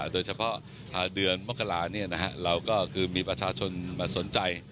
โดยเฉพาะเดือนมกราเราก็คือมีประชาชนมาสนใจ